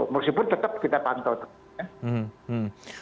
meskipun tetap kita pantau